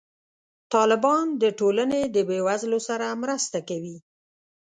طالبان د ټولنې د بې وزلو سره مرسته کوي.